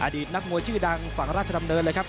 ตนักมวยชื่อดังฝั่งราชดำเนินเลยครับ